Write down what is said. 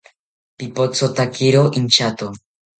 Pipothotakiro inchato